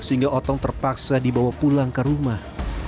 sehingga otong terpaksa dibawa pulang ke rumah